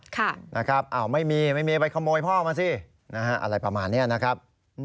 ค่ะนะครับไม่มีไปขโมยพ่อมาสิอะไรประมาณนี้นะครับ